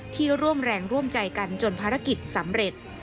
ร่วมแรงร่วมใจกันจนภารกิจสำเร็จ